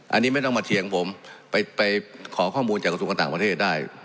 อันนี้ไม่ต้องมาเถียงผมไปขอข้อมูลจากกระทรวงการต่างประเทศได้